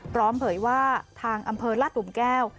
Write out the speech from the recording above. เผยว่าทางอำเภอลาดตุ่มแก้ว